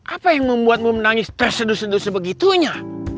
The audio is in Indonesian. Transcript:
apa yang membuatmu menangis terseduh seduh sebegitunya